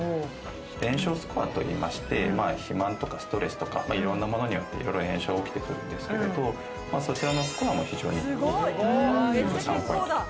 炎症スコアといいまして、肥満とかストレスとか、いろんなものによって、いろいろ炎症が起きてくるんですけれども、そちらのスコアも非常にいい。